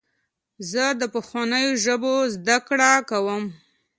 زه د پخوانیو ژبو زدهکړه کوم.